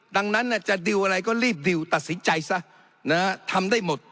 ดังนั้นจะดิวอะไรก็รีบดิวตัดสินใจซะทำได้หมด